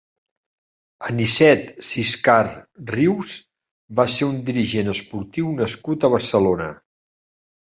Anicet Ciscar Rius va ser un dirigent esportiu nascut a Barcelona.